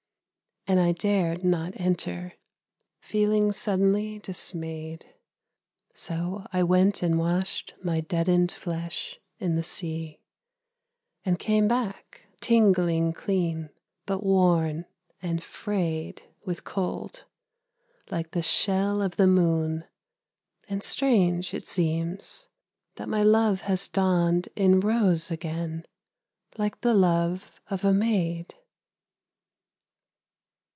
And I dared not enter, feeling suddenly dismayed. So I went and washed my deadened flesh in the sea And came back tingling clean, but worn and frayed With cold, like the shell of the moon: and strange it seems That my love has dawned in rose again, like the love of a maid.